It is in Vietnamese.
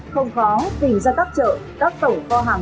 không khó tìm ra các chợ các tổ kho hàng